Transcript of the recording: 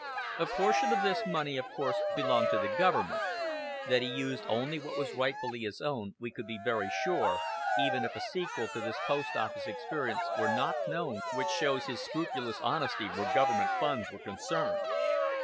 A portion of this money, of course, belonged to the government. That he used only what was rightfully his own we could be very sure, even if a sequel to this post office experience were not known which shows his scrupulous honesty where government funds were concerned.